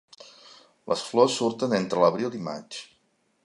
Les flors surten entre l'abril i maig.